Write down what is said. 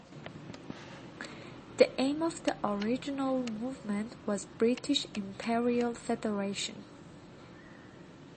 The aim of the original movement was British imperial federation.